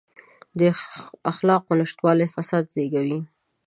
د اخلاقو نشتوالی فساد زېږوي.